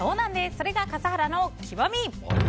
それが笠原の極み。